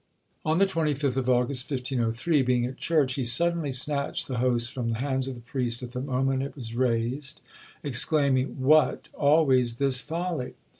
On the 25th of August, 1503, being at church, he suddenly snatched the host from the hands of the priest, at the moment it was raised, exclaiming "What! always this folly!"